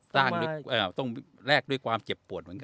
ต้องแลกด้วยความเจ็บปวดเหมือนกัน